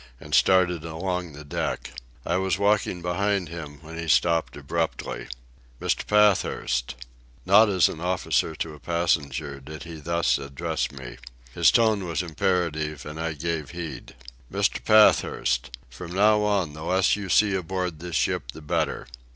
and started along the deck. I was walking behind him when he stopped abruptly. "Mr. Pathurst." Not as an officer to a passenger did he thus address me. His tone was imperative, and I gave heed. "Mr. Pathurst. From now on the less you see aboard this ship the better.